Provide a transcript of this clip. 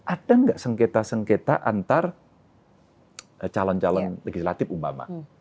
ada gak sengketa sengketa antar calon calon legislatif umama